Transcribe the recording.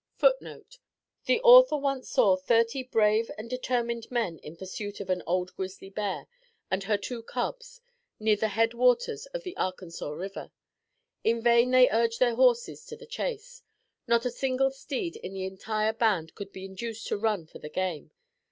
[Footnote 7: The author once saw thirty brave and determined men in pursuit of an old grizzly bear and her two cubs near the head waters of the Arkansas River. In vain they urged their horses to the chase. Not a single steed in the entire band could be induced to run for the game.